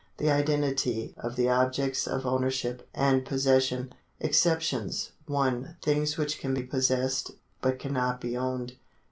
The identity of the objects of ownership and possession. Exceptions ; 1. Things which can be possessed, but cannot be owned.